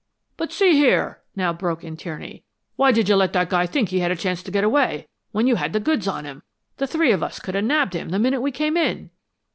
"But see here," now broke in Tierney. "Why did you let that guy think he had a chance to get away, when you had the goods on him? The three of us could have nabbed him the minute we came in."